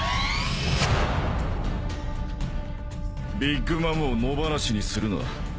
ビッグ・マムを野放しにするな。